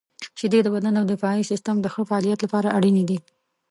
• شیدې د بدن د دفاعي سیستم د ښه فعالیت لپاره اړینې دي.